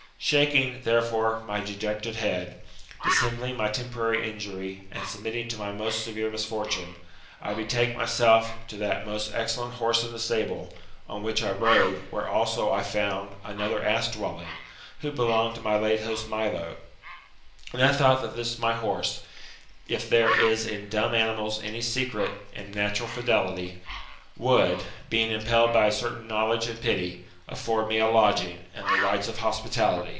Shaking, therefore, my dejected head, dissembling my temporary injury, and submitting to my most severe misfortune, I betake myself to that most excellent horse in the stable, on which I rode, where also I found another ass dwelling, who belonged to my late host Milo. And I thought that this my horse, if there is in dumb animals any secret and natural fidelity, would, being impelled by a certain knowledge and pity, afford me a lodging, and the rites of hospitality.